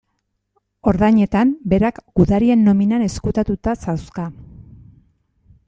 Ordainetan, berak gudarien nominan ezkutatuta zauzka.